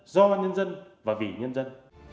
do nhân dân và vì nhân dân